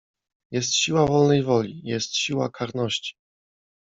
Jest siła wolnej woli, jest siła karności.